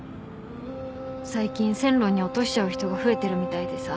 最近線路に落としちゃう人が増えてるみたいでさ。